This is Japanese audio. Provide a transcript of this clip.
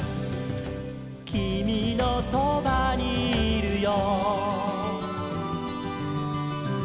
「きみのそばにいるよ」